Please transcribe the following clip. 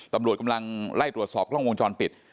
ตำรวจกำลังไล่ตรวจสอบกล้องวงจรปิด